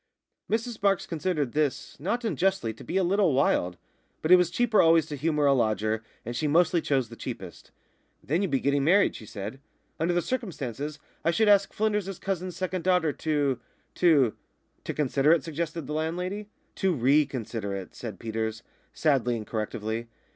Mrs Marks considered this, not unjustly, to be a little wild. But it was cheaper always to humour a lodger; and she mostly chose the cheapest. "Then you'd be getting married," she said. "Under the circumstances I should ask Flynders's cousin's second daughter to to " "To consider it," suggested the landlady. "To re consider it," said Peters, sadly and correctively.